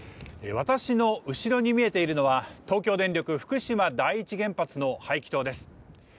私の後ろに見えているのは東京電力福島第１原発の排気筒です